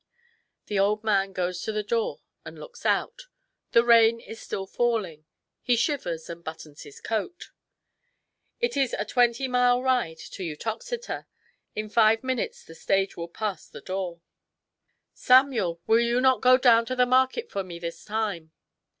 The old man goes to the door and looks out. The rain is still falling. He shivers, and buttons his coat. S6 THIRTY MORE FAMOUS STORIES It is a twenty mile ride to Uttoxeter. In five min utes the stage will pass the door. " Samuel, will you not go down to the market for me this time